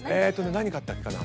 何買ったっけかな？